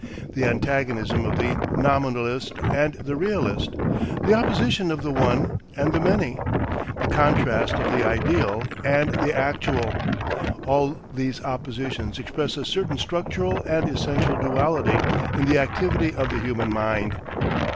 The antagonism of the Nominalist and the Realist, the opposition of the One and the Many, the contrast of the Ideal and the Actual, all these oppositions express a certain structural and essential duality in the activity of the human mind.